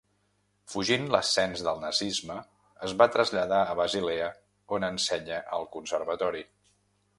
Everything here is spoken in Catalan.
Fugint l'ascens del nazisme, es va traslladar a Basilea, on ensenya al conservatori.